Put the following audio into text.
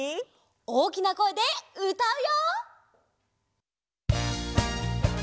おおきなこえでうたうよ！